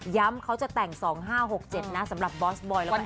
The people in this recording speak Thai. ย้ำเขาจะแต่ง๒๕๖๗นะสำหรับบอสบอยและแอดนี้